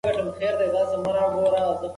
هغوی په مالي برخه کې ډېر بې پروا وو.